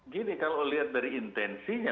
gini kalau lihat dari intensinya